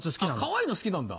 かわいいの好きなんだ。